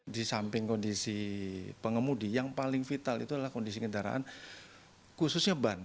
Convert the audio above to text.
di samping kondisi pengemudi yang paling vital itu adalah kondisi kendaraan khususnya ban